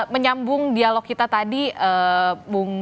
menyambung dialog kita tadi bu saleh ini kan bisa dikatakan partai golkar